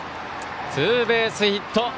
ツーベースヒット。